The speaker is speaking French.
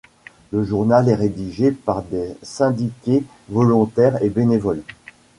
Le journal est rédigé par des syndiqués volontaires et bénévoles.